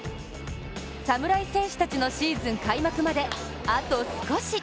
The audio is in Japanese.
侍選手たちのシーズン開幕まであと少し。